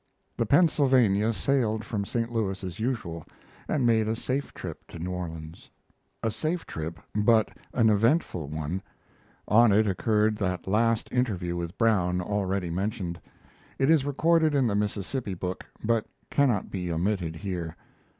The Pennsylvania sailed from St. Louis as usual, and made a safe trip to New Orleans. A safe trip, but an eventful one; on it occurred that last interview with Brown, already mentioned. It is recorded in the Mississippi book, but cannot be omitted here.